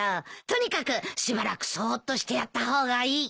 とにかくしばらくそーっとしてやった方がいい。